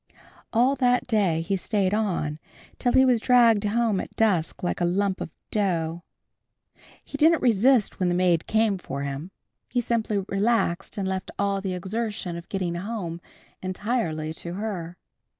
All that day he stayed on, till he was dragged home at dusk like a lump of dough. He didn't resist when the maid came for him. He simply relaxed and left all the exertion of getting home entirely to her.